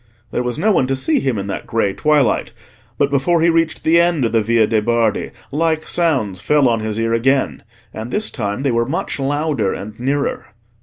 There was no one to see him in that grey twilight. But before he reached the end of the Via de' Bardi, like sounds fell on his ear again, and this time they were much louder and nearer.